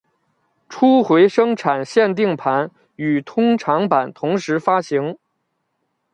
初回生产限定盘与通常版同时发行。